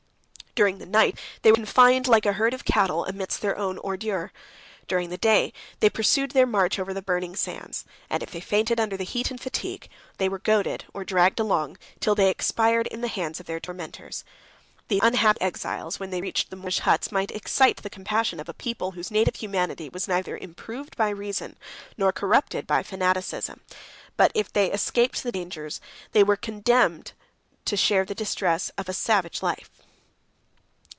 During the night they were confined, like a herd of cattle, amidst their own ordure: during the day they pursued their march over the burning sands; and if they fainted under the heat and fatigue, they were goaded, or dragged along, till they expired in the hands of their tormentors. 101 These unhappy exiles, when they reached the Moorish huts, might excite the compassion of a people, whose native humanity was neither improved by reason, nor corrupted by fanaticism: but if they escaped the dangers, they were condemned to share the distress of a savage life.